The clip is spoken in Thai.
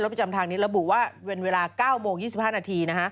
รถไปจำทางนี้ระบุว่าเวลาเก้าโมงอยู่สิบห้านาที